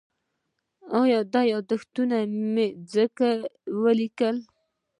دا یادښتونه مې ځکه ولیکل.